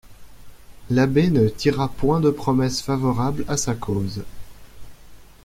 L'abbé ne tira point de promesses favorables à sa cause.